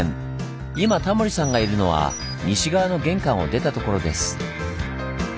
今タモリさんがいるのは西側の玄関を出たところです。